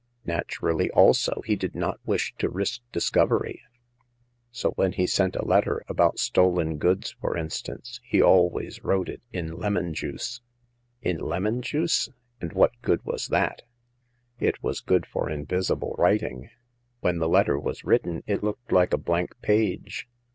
Naturally, also, he did not wish to risk discovery, so when he sent a letter, about stolen goods for instance, he always wrote it in lemon juice." " In lemon juice ! And what good was that?" " It was good for invisible writing. When the letter was written, it looked like a blank page.